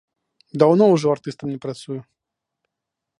Даўно ўжо артыстам не працую.